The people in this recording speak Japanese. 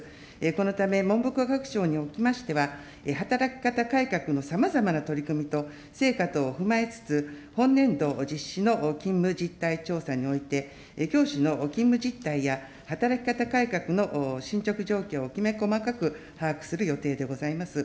このため、文部科学省におきましては、働き方改革のさまざまな取り組みと、成果等を踏まえつつ、本年度実施の勤務実態調査において、教師の勤務実態や働き方改革の進捗状況をきめ細かく把握する予定でございます。